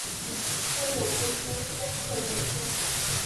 靡不有初鲜克有终